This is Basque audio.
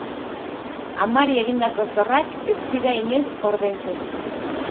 Amari egindako zorrak ez dira inoiz ordaintzen.